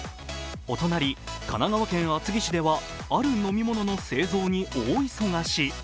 お隣、神奈川県厚木市ではある飲み物の製造に大忙し。